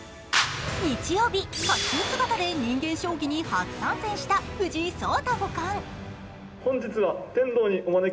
日曜日、かっちゅう姿で人間将棋に初参戦した藤井聡太五冠。